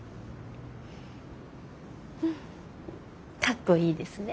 かっこいいですね。